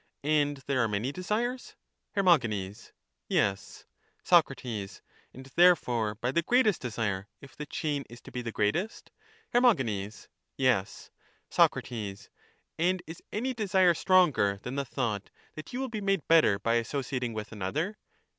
And there are many desires? Her. Yes. Soc. And therefore by the greatest desire, if the chain is to be the greatest? Her. Yes. Soc. And is any desire stronger than the thought that you will be made better by associating with another?